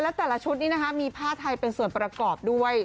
และแต่ละชุดนี้นะคะมีผ้าไทยเป็นส่วนประกอบด้วย